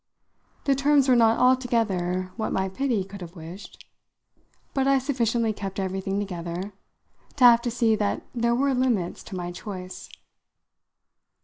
The terms were not altogether what my pity could have wished, but I sufficiently kept everything together to have to see that there were limits to my choice.